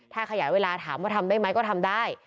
ถ้าขยายเวลาถามว่าทำได้ไหมก็ทำได้